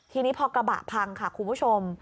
ทีนี้พอกระบะพังค่ะคุณผู้ชม